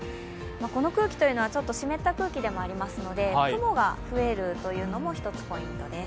この空気は、ちょっと湿った空気でもありますので、雲が増えるというのも一つポイントです。